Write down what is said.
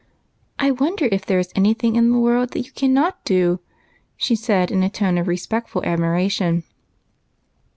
" I wonder if there is any thing in the world that you cannot do," she said, in a tone of respectful ad miration.